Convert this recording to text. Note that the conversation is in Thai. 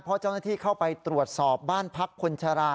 เพราะเจ้าหน้าที่เข้าไปตรวจสอบบ้านพักคนชรา